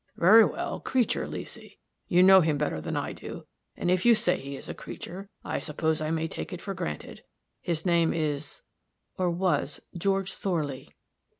"Very well, creature, Leesy. You know him better than I do, and if you say he is a creature, I suppose I may take it for granted. His name is " "Or was, George Thorley."